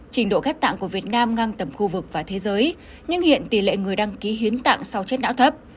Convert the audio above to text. trình độ ghép tạng của việt nam ngang tầm khu vực và thế giới nhưng hiện tỷ lệ người đăng ký hiến tạng sau chết não thấp